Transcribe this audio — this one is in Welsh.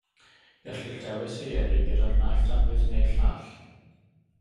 Gellir dewis ei yrru gyda'r naill danwydd neu'r llall.